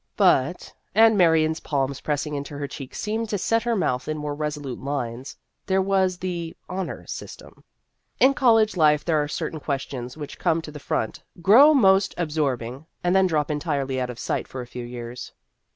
But and Marion's palms pressing into her cheeks seemed to set her mouth in more resolute lines there was the " Honor System." In college life there are certain questions which come to the front, grow most absorb ing, and then drop entirely out of sight for a few years.